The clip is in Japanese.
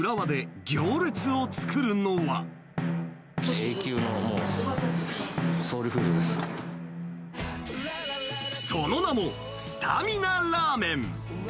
Ａ級の、その名も、スタミナラーメン。